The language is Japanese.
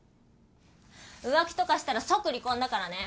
浮気とかしたら即離婚だからね。